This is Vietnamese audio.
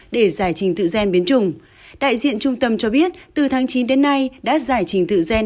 để giải trình tự gen biến trùng đại diện trung tâm cho biết từ tháng chín đến nay đã giải trình tự gen